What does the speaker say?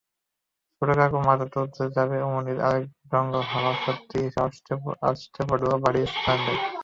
ছোটকু মাথা তুলতে যাবে, অমনি আরেক দঙ্গল হাওয়া-দত্যি এসে আছড়ে পড়লো বাড়ির বারান্দায়।